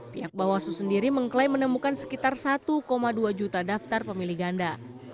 pihak bawaslu sendiri mengklaim menemukan sekitar satu dua juta daftar pemilih ganda